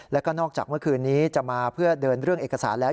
แล้วก็นอกจากเมื่อคืนนี้จะมาเพื่อเดินเรื่องเอกสารแล้ว